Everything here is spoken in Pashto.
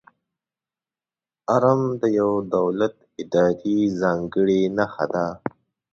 آرم د یو دولت، ادارې ځانګړې نښه ده.